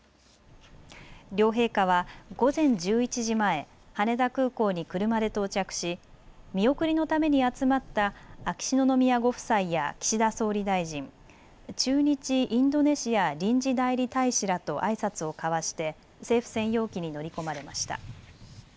両陛下は午前１１時前、羽田空港に車で到着し見送りのために集まった秋篠宮ご夫妻や岸田総理大臣、駐日インドネシア臨時代理大使らとあいさつを交わして政府専用機に乗り込まれました。